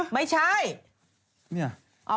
ไม่ใช่อันดับ๑๐หรอ